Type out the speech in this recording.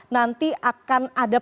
nanti akan ada